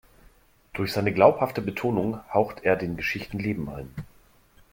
Durch seine glaubhafte Betonung haucht er den Geschichten Leben ein.